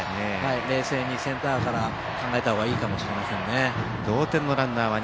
冷静にセンターから考えた方がいいかもしれないですね。